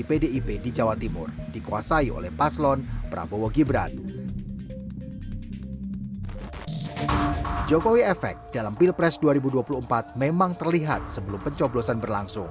presiden itu boleh loh kampanye